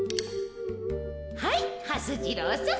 はいはす次郎さん。